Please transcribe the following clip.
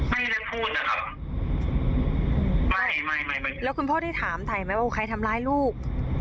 ไม่ได้พูดนะครับไม่ไม่ไม่แล้วคุณพ่อได้ถามถ่ายไหมว่าใครทำร้ายลูก